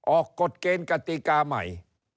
กฎเกณฑ์กติกาใหม่